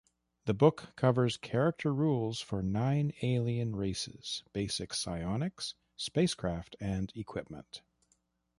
The book covers character rules for nine alien races, basic psionics, spacecraft and equipment.